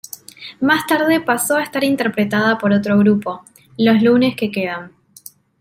Más tarde pasó a estar interpretada por otro grupo, Los lunes que quedan.